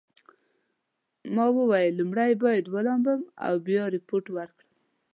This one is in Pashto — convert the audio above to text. ما وویل لومړی باید ولامبم او بیا ریپورټ ورکړم.